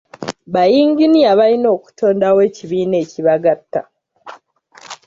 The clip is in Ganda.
Bayinginiya balina okutondawo ekibiina ekibagatta.